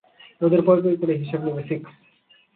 ওদের পই পই করে হিসাব নিবে, সিক্স।